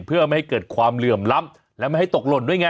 เพื่อไม่ให้เกิดความเหลื่อมล้ำและไม่ให้ตกหล่นด้วยไง